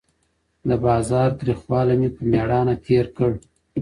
د بازار تریخوالی مې په مېړانه تېر کړ.